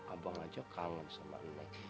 abang aja kangen sama anak